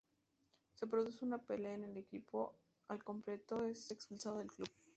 Se produce una pelea y el equipo al completo es expulsado del club.